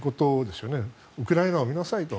ウクライナを見なさいと。